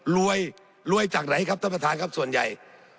รวยรวยจากไหนครับท่านประธานครับส่วนใหญ่